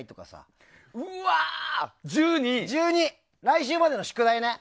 来週までの宿題ね。